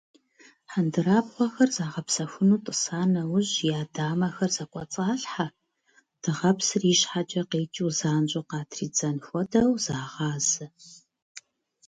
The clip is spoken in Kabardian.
Хьэндырабгъуэхэр загъэпсэхуну тӀыса нэужь, я дамэхэр зэкӀуэцӀалъхьэ дыгъэпсыр ищхьэкӀэ къикӀыу занщӀэу къатридзэн хуэдэу, загъазэ.